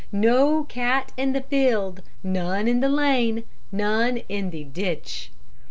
No cat in the field none in the lane none in the ditch!